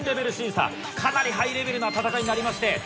かなりハイレベルな戦いになりまして。